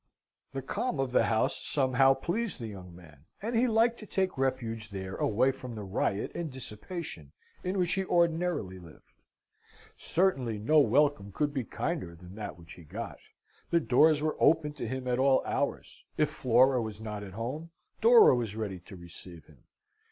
The calm of the house somehow pleased the young man, and he liked to take refuge there away from the riot and dissipation in which he ordinarily lived. Certainly no welcome could be kinder than that which he got. The doors were opened to him at all hours. If Flora was not at home, Dora was ready to receive him.